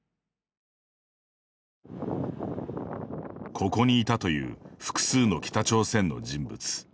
ここにいたという複数の北朝鮮の人物。